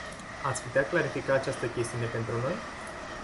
Ați putea clarifica această chestiune pentru noi?